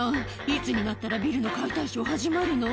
いつになったらビルの解体ショー始まるの？